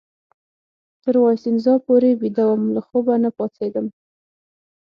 تر وایسینزا پورې بیده وم، له خوبه نه پاڅېدم.